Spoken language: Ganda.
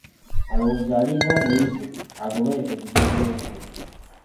Alowooza ali ng'omuyizzi, agoberera ebigere by'ensolo.